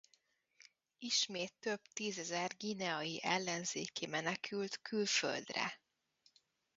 Ismét több tízezer guineai ellenzéki menekült külföldre.